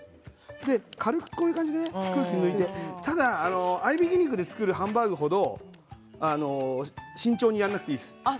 軽く空気を抜いてただ合いびき肉で作るハンバーグ程慎重にやらなくていいです。